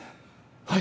はい！